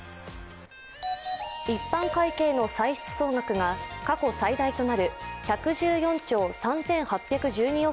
一般会計の歳出総額が過去最大となる１１４兆３８１２億